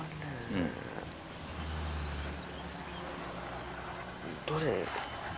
うん。どれ。